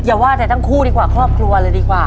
อย่าว่าแต่ทั้งคู่ดีกว่าครอบครัวเลยดีกว่า